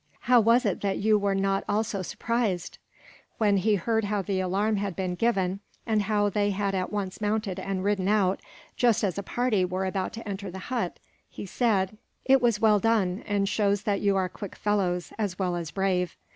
"How was it that you were not also surprised?" When he heard how the alarm had been given, and how they had at once mounted and ridden out, just as a party were about to enter the hut, he said: "It was well done, and shows that you are quick fellows, as well as brave.